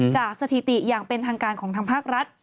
สถิติอย่างเป็นทางการของทางภาครัฐ